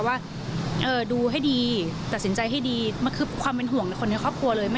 ว่าดูให้ดีตัดสินใจให้ดีมันคือความเป็นห่วงในคนในครอบครัวเลย